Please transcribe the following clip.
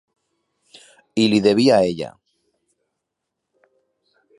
I li devia a ella.